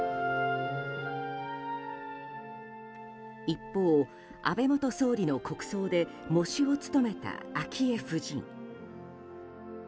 一方、安倍元総理の国葬で喪主を務めた昭恵夫人。